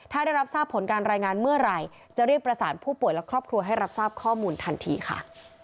ถ้าได้รับทราบผลการรายงานเมื่อไหร่จะรีบประสานผู้ป่วยและครอบครัวให้รับทราบข้อมูลทันทีค่ะ